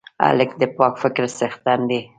هلک د پاک فکر څښتن دی.